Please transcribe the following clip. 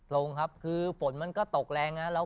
ลงครับคือฝนมันก็ตกแรงนะ